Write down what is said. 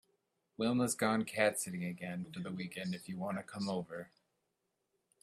Wilma’s gone cat sitting again for the weekend if you want to come over.